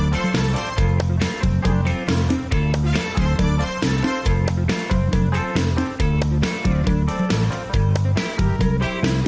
สวัสดีครับ